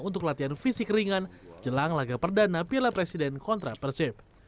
untuk latihan fisik ringan jelang laga perdana piala presiden kontra persib